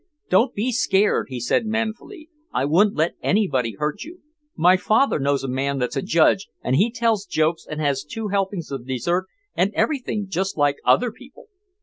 "Don't be scared," he said manfully; "I wouldn't let anybody hurt you. My father knows a man that's a judge and he tells jokes and has two helpings of dessert and everything just like other people.